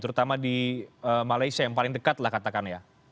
terutama di malaysia yang paling dekat lah katakan ya